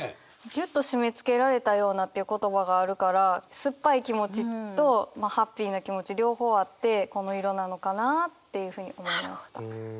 「ぎゅっとしめつけられたような」という言葉があるからすっぱい気持ちとハッピーな気持ち両方あってこの色なのかなっていうふうに思いました。